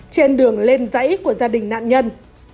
trên đường lên dãy của gia đình nạn nhân